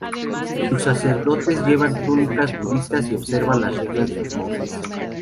Sus sacerdotes llevan túnicas budistas y observan las reglas de los monjes.